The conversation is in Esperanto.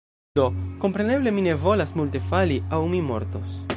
do, kompreneble, mi ne volas multe fali, aŭ mi mortos.